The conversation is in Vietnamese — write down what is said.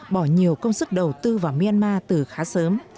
bỏ nhiều công sức đầu tư vào myanmar từ khá sớm